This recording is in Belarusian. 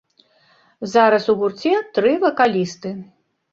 Зараз ў гурце тры вакалісты.